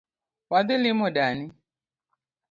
Wadhi limo dani